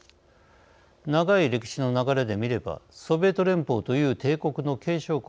長い歴史の流れで見ればソビエト連邦という帝国の継承国